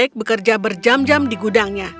jack bekerja berjam jam di gudangnya